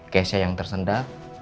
keisha yang tersendat